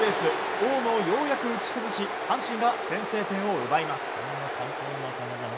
大野をようやく打ち崩し阪神が先制点を奪います。